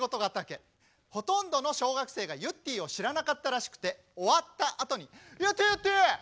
ほとんどの小学生がゆってぃを知らなかったらしくて終わったあとに「ゆってぃゆってぃ！